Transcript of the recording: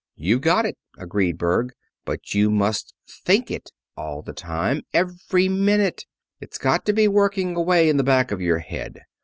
"You've got it," agreed Berg. "But you must think it all the time. Every minute. It's got to be working away in the back of your head.